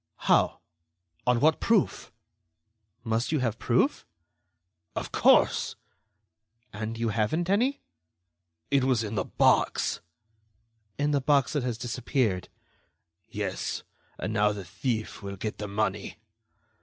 "How? On what proof?" "Must you have proof?" "Of course." "And you haven't any?" "It was in the box." "In the box that has disappeared." "Yes; and now the thief will get the money."